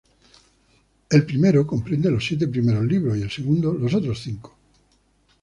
El primero comprende los siete primeros libros, y el segundo los otros cinco.